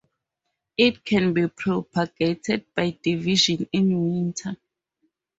It can be propagated by division in winter.